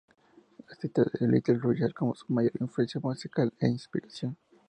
Él cita a Little Richard como su mayor influencia musical e inspiración.